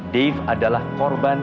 dave adalah korban